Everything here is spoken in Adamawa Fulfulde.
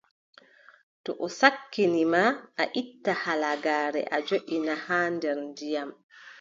To o sakkini ma, a itta halagaare a joʼina haa nder ndiyam.